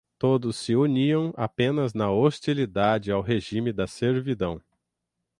Todos se uniam apenas na hostilidade ao regime da servidão